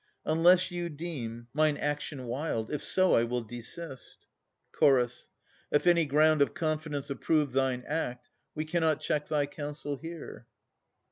Unless you deem Mine action wild. If so, I will desist. CH. If any ground of confidence approve Thine act, we cannot check thy counsel here.